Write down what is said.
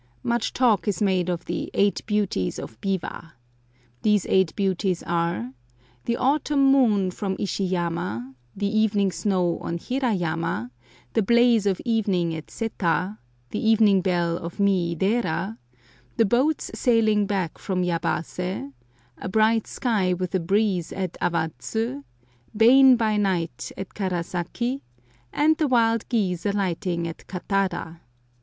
Much talk is made of the "eight beauties of Biwa." These eight beauties are: The Autumn Moon from Ishi yama, the Evening Snow on Hira yama, the Blaze of Evening at Seta, the Evening Bell of Mii dera, the Boats sailing back from Yabase, a Bright Sky with a Breeze at Awadzu, Bain by Night at Karasaki, and the Wild Geese alighting at Katada.